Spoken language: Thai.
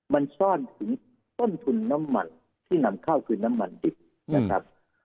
มันซ่อนถึงต้นทุนน้ำมันที่นำเข้าคือน้ำมันดิบนะครับ